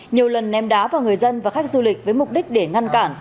nhiều lần ném đá vào người dân và khách du lịch với mục đích để ngăn cản